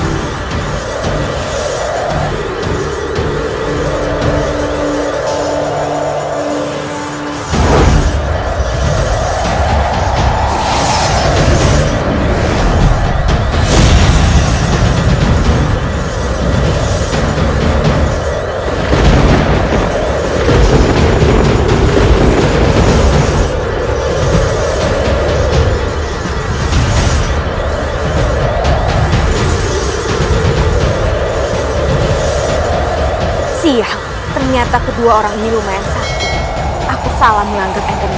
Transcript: aku salah melanggar enderman